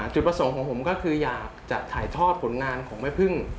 จุดประสงค์ของผมก็คืออยากจะถ่ายทอดผลงานของแม่พึ่ง